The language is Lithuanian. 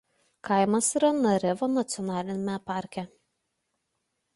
Kaimas yra Narevo nacionaliniame parke.